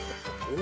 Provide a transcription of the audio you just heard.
「お」